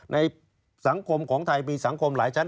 ในสังคมของไทยมีสังคมหลายชั้น